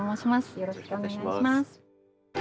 よろしくお願いします。